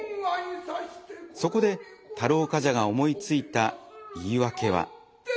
そこで太郎冠者が思いついた言い訳は。